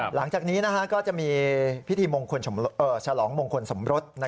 หลังจากนี้ก็จะมีพิธีฉลองมงคลสมรส